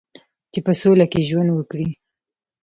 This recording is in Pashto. چې په سوله کې ژوند وکړي.